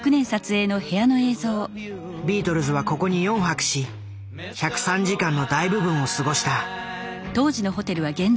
ビートルズはここに４泊し１０３時間の大部分を過ごした。